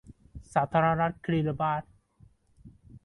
สาธารณรัฐคิริบาส